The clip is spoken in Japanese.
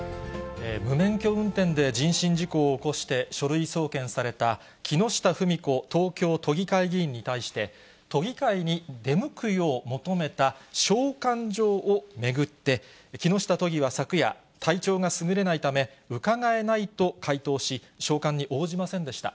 無免許運転で人身事故を起こして、書類送検された木下富美子東京都議会議員に対して、都議会に出向くよう求めた召喚状を巡って、木下都議は昨夜、体調がすぐれないため、伺えないと回答し、召喚に応じませんでした。